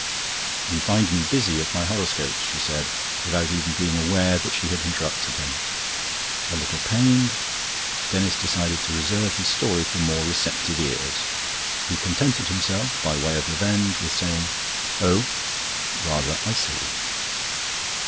"You find me busy at my horoscopes," she said, without even being aware that she had interrupted him. A little pained, Denis decided to reserve his story for more receptive ears. He contented himself, by way of revenge, with saying "Oh?" rather icily.